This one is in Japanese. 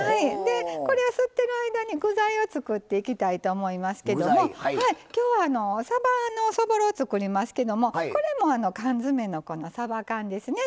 これが吸ってる間に具材を作っていきたいと思いますけども今日はさばのそぼろを作りますけどもこれも缶詰のこのさば缶ですね。